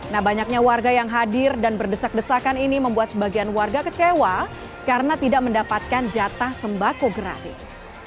nah banyaknya warga yang hadir dan berdesak desakan ini membuat sebagian warga kecewa karena tidak mendapatkan jatah sembako gratis